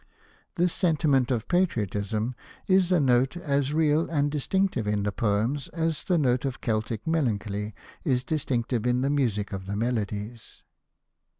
This sentiment of patriotism is Hosted by Google INTRODUCTION xxi a note as real and distinctive in the poems as the note of Celtic melancholy is distinctive in the music of the Melodies.